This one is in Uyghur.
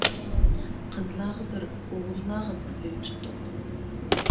قىزلارغا بىر، ئوغۇللارغا بىر ئۆي تۇتتۇق.